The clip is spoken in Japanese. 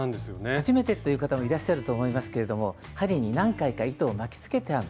初めてという方もいらっしゃると思いますけれども針に何回か糸を巻きつけて編む